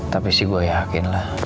tapi sih gue yakin lah